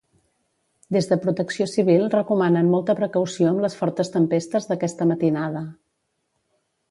Des de Protecció Civil recomanen molta precaució amb les fortes tempestes d'aquesta matinada.